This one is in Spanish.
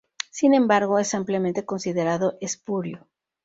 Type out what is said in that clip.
Sin embargo, es ampliamente considerado espurio.